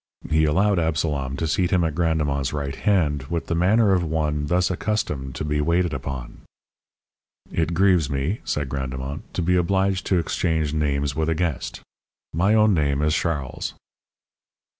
He allowed Absalom to seat him at Grandemont's right hand with the manner of one thus accustomed to be waited upon. "It grieves me," said Grandemont, "to be obliged to exchange names with a guest. My own name is Charles."